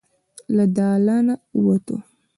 له دالانه ووته.